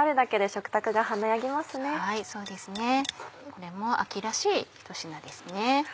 これも秋らしいひと品ですね。